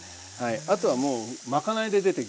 あとはもうまかないで出てきます。